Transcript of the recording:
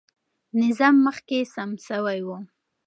نظام مخکې سم سوی و.